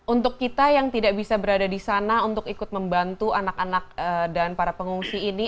untuk kita yang tidak bisa berada di sana untuk ikut membantu anak anak dan para pengungsi ini